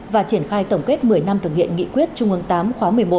và triển khai tổng kết một mươi năm thực hiện nghị quyết trung ương viii khóa một mươi một